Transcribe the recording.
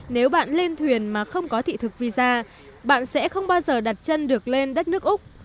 nếu bạn lên thuyền mà không có thị thực visa bạn sẽ không bao giờ đặt chân được lên đất nước úc